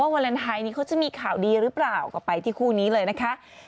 วาเลนไทยนี้เขาจะมีข่าวดีหรือเปล่าก็ไปที่คู่นี้เลยนะคะ